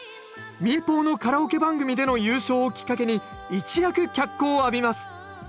民放のカラオケ番組での優勝をきっかけに一躍脚光を浴びます。